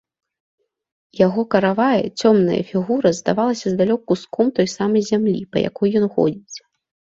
Яго каравая, цёмная фігура здавалася здалёк куском той самай зямлі, па якой ён ходзіць.